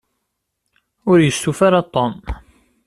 Ur yestufa ara Tom.